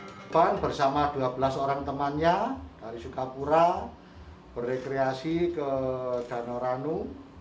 korban bersama dua belas orang temannya dari sukapura berrekreasi ke danau ranu